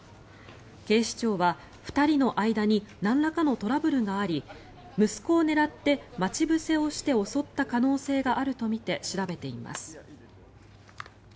警視庁は２人の間になんらかのトラブルがあり息子を狙って、待ち伏せをして襲った可能性があるとみて調べています。